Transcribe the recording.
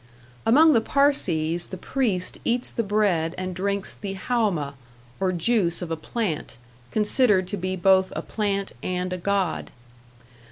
Among the Parsees the priest eats the bread and drinks the haoma, or juice of a plant, considered to be both a plant and a god.